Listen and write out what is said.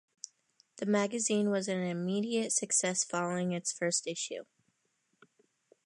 The magazine was an immediate success following its first issue.